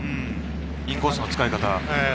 インコースの使い方。